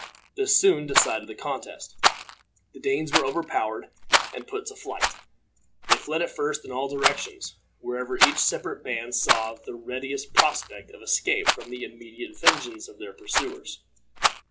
This soon decided the contest. The Danes were overpowered and put to flight. They fled at first in all directions, wherever each separate band saw the readiest prospect of escape from the immediate vengeance of their pursuers.